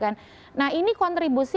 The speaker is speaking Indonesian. nah ini kontribusi